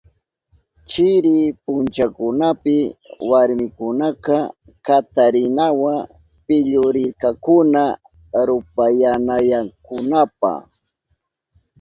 Chiri punchakunapi warmikunaka katarinawa pillurirkakuna rupayanankunapa.